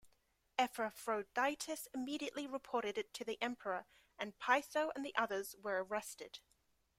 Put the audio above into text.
Epaphroditus immediately reported it to the Emperor and Piso and the others were arrested.